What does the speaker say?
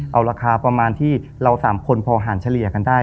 เอาราคาประมาณที่เรา๓คนพอหารเฉลี่ยกันได้